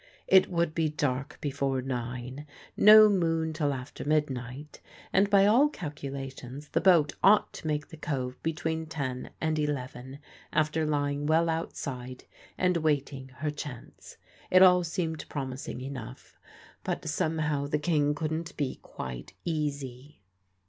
It would be dark before nine, no moon till after mid night, and by all calculations the boat ought to make the cove between ten and eleven, after lying well outside and waiting her chance. It all seemed promising enough, but somehow the King couldn't be quite easy.